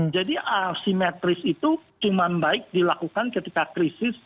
jadi simetris itu cuman baik dilakukan ketika krisis